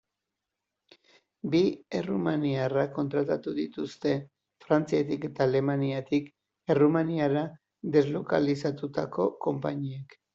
Bi errumaniarrak kontratatu dituzte Frantziatik eta Alemaniatik Errumaniara deslokalizatutako konpainiek.